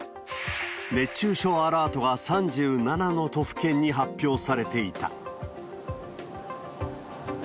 熱中症アラートが３７の都府県に発表されていた。